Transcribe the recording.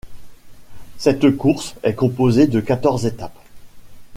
Cette course est composée de quatorze étapes.